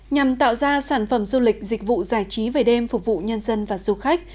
nhằm tạo ra sản phẩm du lịch dịch vụ giải trí về đêm phục vụ nhân dân và du khách